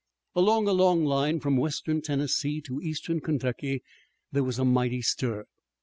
Along a long line from Western Tennessee to Eastern Kentucky there was a mighty stir.